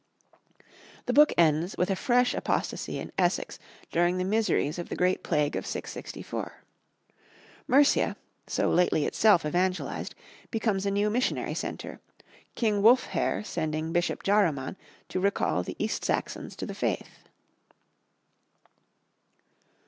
The book ends with a fresh apostasy in Essex during the miseries of the great plague of 664. Mercia, so lately itself evangelized, becomes a new missionary centre, King Wulfhere sending Bishop Jaruman to recall the East Saxons to the faith.